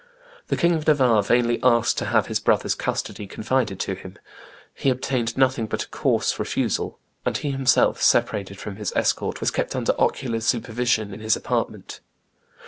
The King of Navarre vainly asked to have his brother's custody confided to him; he obtained nothing but a coarse refusal; and he himself, separated from his escort, was kept under ocular supervision in his apartment."